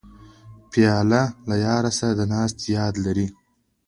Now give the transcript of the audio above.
پیاله له یار سره د ناستې یاد لري.